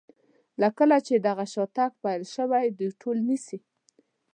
له کله چې دغه شاتګ پیل شوی دوی ټول نیسي.